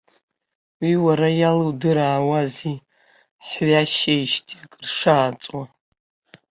Уи уара иалудыраауазеи, ҳҩашьеижьҭеи акыр шааҵуа?